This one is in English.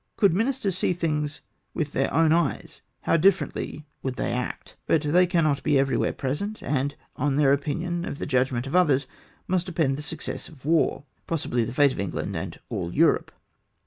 "Could ministers see things with their own eyes, how differently would they act ; but they cannot be everywhere present, and on their opinion of the judgment of others must depend the success of war — possibly the fate of England and all Europe.